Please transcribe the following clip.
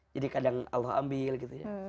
jadi kadang allah ambil gitu ya